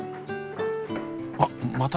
あっまた。